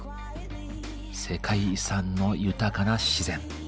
世界遺産の豊かな自然。